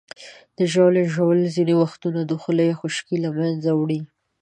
د ژاولې ژوول ځینې وخت د خولې خشکي له منځه وړي.